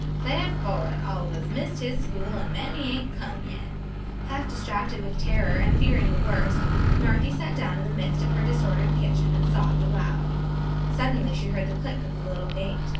"'Clar fo' it, Oliver's missed his school, an' mammy ain't come yet." Half distracted with terror and fearing the worst, Marthy sat down in the midst of her disordered kitchen and sobbed aloud. Suddenly she heard the click of the little gate.